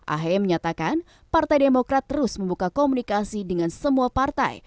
ahy menyatakan partai demokrat terus membuka komunikasi dengan semua partai